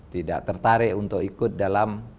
tidak tertarik untuk ikut dalam